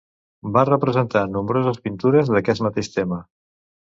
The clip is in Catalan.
Va representar nombroses pintures d'aquest mateix tema.